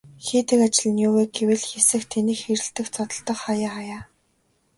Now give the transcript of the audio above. Хийдэг ажил нь юу вэ гэвэл хэсэх, тэнэх хэрэлдэх, зодолдох хааяа хааяа.